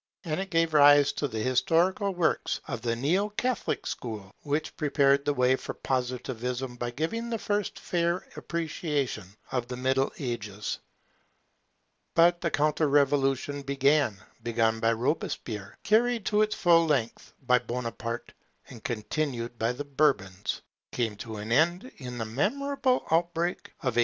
And it gave rise to the historical works of the Neo Catholic school, which prepared the way for Positivism by giving the first fair appreciation of the Middle Ages. [Second motto, Liberty and Order] But the Counter revolution, begun by Robespierre, carried to its full length by Bonaparte, and continued by the Bourbons, came to an end in the memorable outbreak of 1830.